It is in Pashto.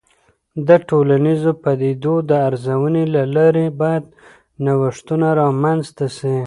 د ټولنیزو پدیدو د ارزونې له لارې باید نوښتونه رامنځته سي.